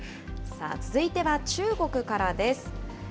さあ、続いては中国からです。